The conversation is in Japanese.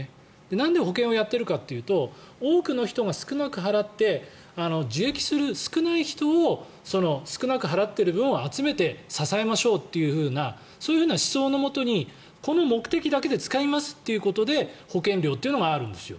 なんで保険をやっているかというと多くの人が少なく払って受益する少ない人を少なく払っている分を集めて支えましょうというそういう思想のもとにこの目的だけで使いますということで保険料というのがあるんですよ。